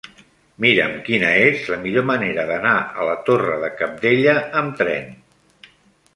Mira'm quina és la millor manera d'anar a la Torre de Cabdella amb tren.